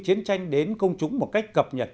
chiến tranh đến công chúng một cách cập nhật